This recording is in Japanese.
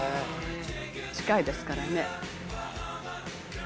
「近いですからね」